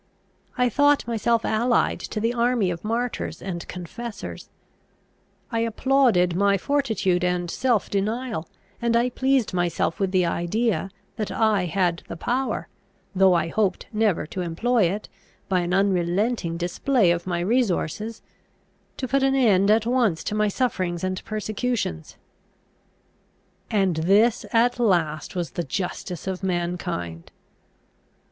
I thought myself allied to the army of martyrs and confessors; I applauded my fortitude and self denial; and I pleased myself with the idea, that I had the power, though I hoped never to employ it, by an unrelenting display of my resources, to put an end at once to my sufferings and persecutions. And this at last was the justice of mankind!